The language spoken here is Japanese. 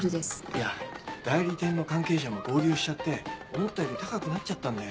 いや代理店の関係者も合流しちゃって思ったより高くなっちゃったんだよ。